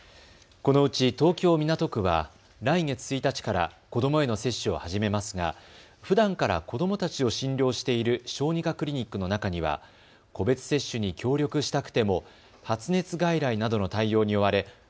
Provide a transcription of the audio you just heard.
このうち東京港区は来月１日から子どもへの接種を始めますがふだんから子どもたちを診療している小児科クリニックの中には個別接種に協力したくても発熱外来などの対応に追われ